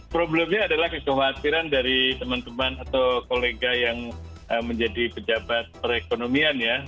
problemnya adalah kekhawatiran dari teman teman atau kolega yang menjadi pejabat perekonomian ya